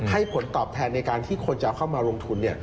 ผลตอบแทนในการที่คนจะเอาเข้ามาลงทุน